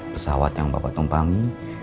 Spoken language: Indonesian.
pesawat yang bapak tumpangi